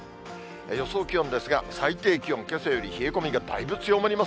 予想気温ですが、最低気温、けさより冷え込みがだいぶ強まります。